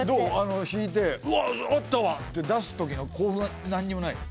引いてうわ合ったわって出す時の興奮何にもないの？